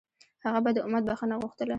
هغه به د امت بښنه غوښتله.